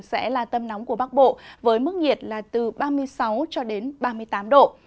sẽ là tâm nóng của bắc bộ với mức nhiệt là từ ba mươi sáu ba mươi tám độ